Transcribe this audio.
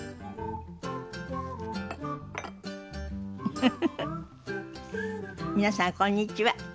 フフフフ皆さんこんにちは。